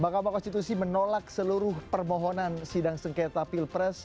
mahkamah konstitusi menolak seluruh permohonan sidang sengketa pilpres